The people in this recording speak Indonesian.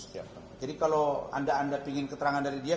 jadi kalau anda anda ingin keterangan dari dia